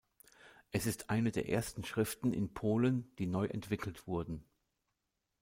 Es ist eine der ersten Schriften in Polen, die neu entwickelt wurden.